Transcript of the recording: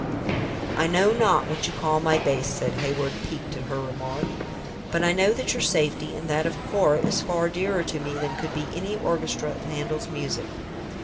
"I know not what you call my bass," said Heyward, piqued at her remark, "but I know that your safety, and that of Cora, is far dearer to me than could be any orchestra of Handel's music."